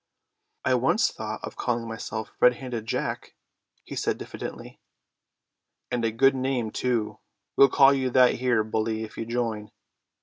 "I once thought of calling myself Red handed Jack," he said diffidently. "And a good name too. We'll call you that here, bully, if you join."